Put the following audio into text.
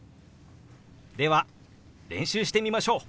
では練習してみましょう！